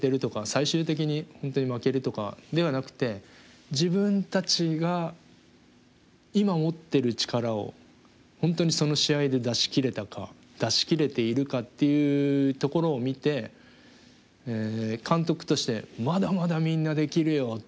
最終的に本当に負けるとかではなくて自分たちが今持ってる力を本当にその試合で出しきれたか出しきれているかっていうところを見て監督として「まだまだみんなできるよ」。